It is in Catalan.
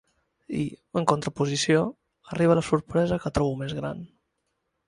I, en contraposició, arriba la sorpresa que trobo més gran.